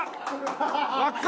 輪っか！